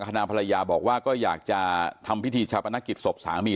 ธนาภรรยาบอกว่าก็อยากจะทำพิธีฉับอนาคิดสบสามี